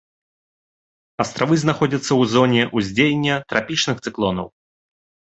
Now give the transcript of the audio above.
Астравы знаходзяцца ў зоне ўздзеяння трапічных цыклонаў.